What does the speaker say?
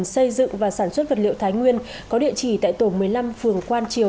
xây dựng và sản xuất vật liệu thái nguyên có địa chỉ tại tổ một mươi năm phường quan triều